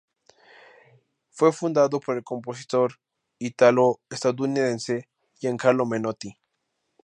Fue fundado por el compositor italo-estadounidense Gian Carlo Menotti.